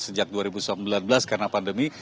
sejak dua ribu sembilan belas karena pandemi